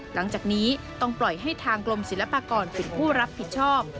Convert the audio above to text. หลังจากนี้ต้องปล่อยให้ทางกรมศิลปากรเป็นผู้รับผิดชอบ